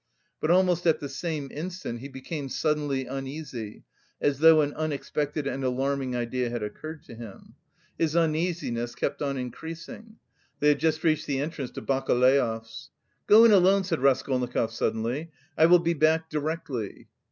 But almost at the same instant he became suddenly uneasy, as though an unexpected and alarming idea had occurred to him. His uneasiness kept on increasing. They had just reached the entrance to Bakaleyev's. "Go in alone!" said Raskolnikov suddenly. "I will be back directly."